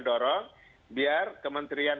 dorong biar kementerian